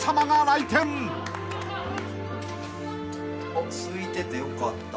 おっすいててよかった。